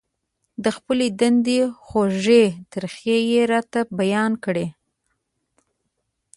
د خپلې دندې خوږې ترخې يې راته بيان کړې.